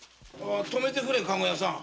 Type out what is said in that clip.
とめてくれカゴ屋さん。